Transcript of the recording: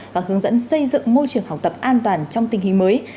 và hướng dẫn xây dựng môi trường học tập an toàn trong tình hình mới